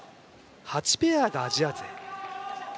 ８ペアがアジア勢。